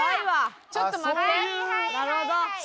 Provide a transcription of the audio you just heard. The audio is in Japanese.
ちょっと待って。